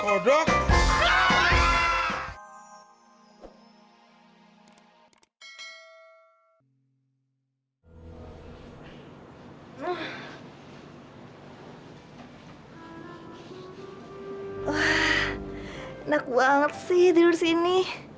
wah enak banget sih tidur di sini